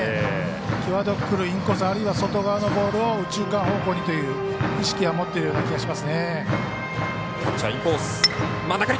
際どくくるインコースあるいは外側のボールを右中間方向にという意識は持っているような気はしますね。